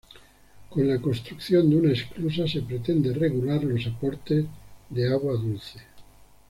Con la construcción de una esclusa se pretende regular los aportes de agua dulce.